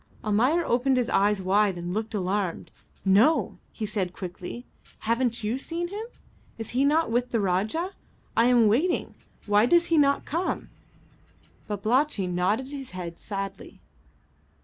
Almayer opened his eyes wide and looked alarmed. "No," he said quickly; "haven't you seen him? Is he not with the Rajah? I am waiting; why does he not come?" Babalatchi nodded his head sadly.